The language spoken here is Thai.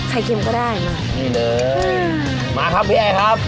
เค็มก็ได้มานี่เลยมาครับพี่แอร์ครับ